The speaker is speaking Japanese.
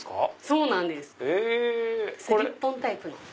そうなんですスリッポンタイプの。